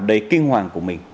đầy kinh hoàng của mình